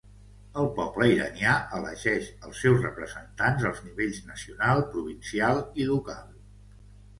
El poble iranià elegeix els seus representants als nivells nacional, provincial i local.